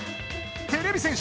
てれび戦士